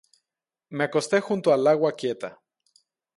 Me acosté junto al agua quieta.